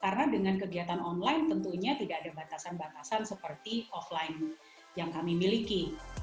karena dengan kegiatan online tentunya tidak ada batasan batasan seperti offline yang kami miliki